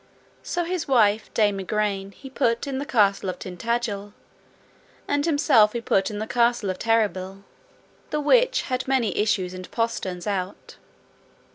So his wife Dame Igraine he put in the castle of Tintagil, and himself he put in the castle of Terrabil, the which had many issues and posterns out.